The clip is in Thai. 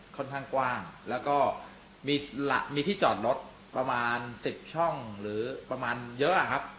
ค่อนข้างกว้างแล้วก็มีที่จอดรถประมาณ๑๐ช่องหรือประมาณเยอะครับ